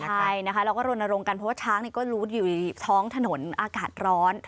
ใช่นะคะเราก็รณรงค์กันเพราะว่าช้างก็รู้อยู่ท้องถนนอากาศร้อน